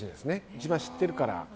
一番知ってるから。